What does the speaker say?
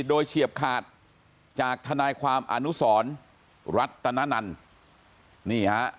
โดยเฉียบขาดจากทนายความอนุสรัตนันนี่ฮะ